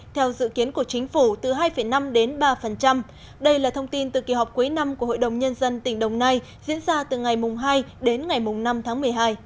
theo dự kiến của chính phủ từ hai năm đến ba đây là thông tin từ kỳ họp cuối năm của hội đồng nhân dân tỉnh đồng nai diễn ra từ ngày hai đến ngày năm tháng một mươi hai